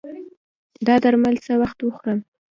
دا درمل څه وخت وخورم؟